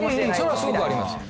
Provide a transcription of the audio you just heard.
それはすごくありますよ